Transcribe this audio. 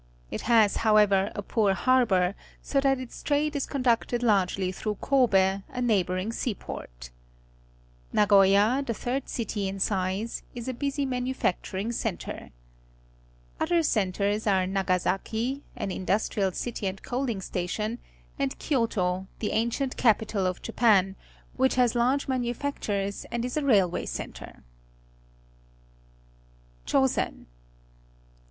It has, however, a poor harbour, so that its trade is conducted largely through Kobe, a neighbouring seaport. _Ajagoyfl, the third city in size, is a busy manufacturing centre. Other centres are 2:iagasaki, an industrial city and coaling station, and Kyoto, the ancient capital of Japan, which has large manufactures and is a railway centre. Chosen.